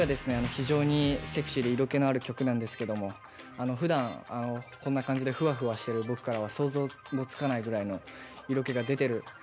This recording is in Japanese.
非常にセクシーで色気のある曲なんですけどもふだんこんな感じでふわふわしてる僕からは想像もつかないぐらいの色気が出てるはずです。